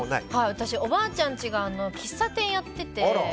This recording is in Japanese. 私、おばあちゃんちが喫茶店をやってて。